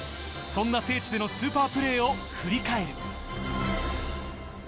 そんな聖地でのスーパープレーを振り返る。